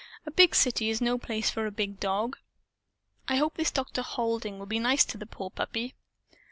A big city is no place for a big dog. I hope this Dr. Halding will be nice to the poor puppy."